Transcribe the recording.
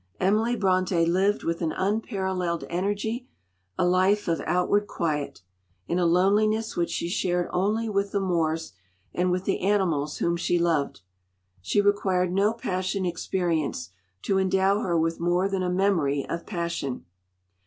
Emily Brontë lived with an unparalleled energy a life of outward quiet, in a loneliness which she shared only with the moors and with the animals whom she loved. She required no passion experience to endow her with more than a memory of passion.